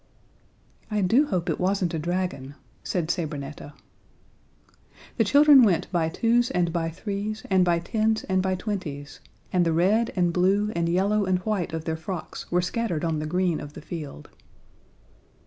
"I do hope it wasn't a dragon," said Sabrinetta. The children went by twos and by threes and by tens and by twenties, and the red and blue and yellow and white of their frocks were scattered on the green of the field.